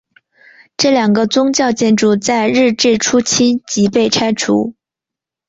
这两个宗教建筑在日治初期即被拆除。